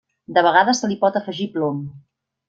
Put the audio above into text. De vegades se li pot afegir plom.